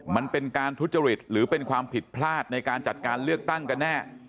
มันเป็นการทุจริตหรือเป็นความผิดพลาดในการจัดการเลือกตั้งกันแน่